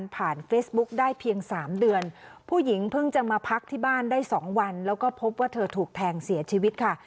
ที่จะมาพักที่บ้านได้๒วันแล้วก็พบว่าเธอถูกแทงเสียชีวิตค่ะ